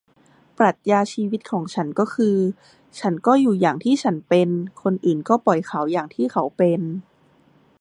ปรัชญาชีวิตของฉันก็คือ ฉันก็อยู่อย่างที่ฉันเป็น คนอื่นก็ปล่อยเขาอย่างที่เขาเป็น